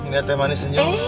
nih teh manis senyum